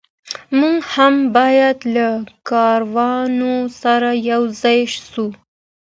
موږ هم باید له کاروان سره یو ځای سو.